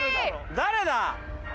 誰だ！